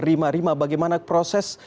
rima rima bagaimana proses